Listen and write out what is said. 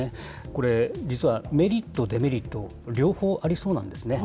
これ、実はメリット、デメリット、両方ありそうなんですね。